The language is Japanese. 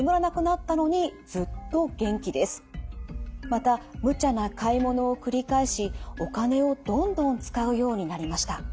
またむちゃな買い物を繰り返しお金をどんどん使うようになりました。